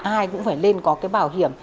ai cũng phải lên có cái bảo hiểm